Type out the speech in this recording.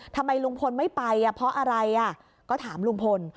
ทำไมลุงพลไม่ไปเพราะอะไรก็ถามลุงพล